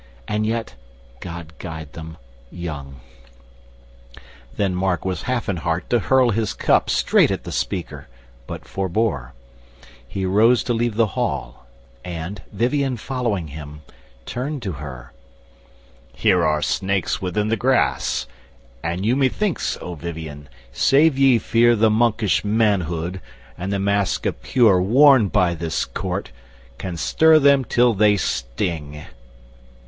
and yet—God guide them—young." Then Mark was half in heart to hurl his cup Straight at the speaker, but forbore: he rose To leave the hall, and, Vivien following him, Turned to her: "Here are snakes within the grass; And you methinks, O Vivien, save ye fear The monkish manhood, and the mask of pure Worn by this court, can stir them till they sting."